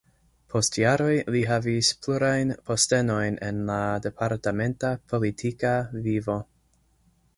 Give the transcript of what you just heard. Post jaroj li havis plurajn postenojn en la departementa politika vivo.